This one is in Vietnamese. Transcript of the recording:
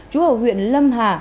chú ở huyện lâm hà